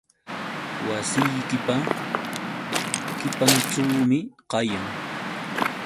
Wasiykipa qipanćhuumi kayan.